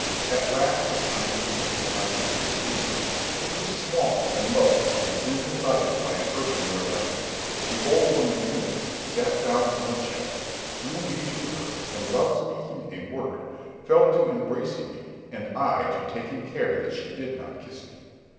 At last the time came, and I entered the room, which was small, and low, and dimly lighted by an earthenware lamp. The old woman trimmed it, sat down on a chest, drew me to her, and without speaking a word, fell to embracing me, and I to taking care that she did not kiss me.